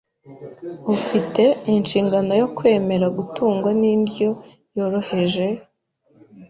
Ufite inshingano yo kwemera gutungwa n’indyo yoroheje,